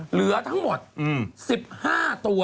เหลือทั้งหมด๑๕ตัว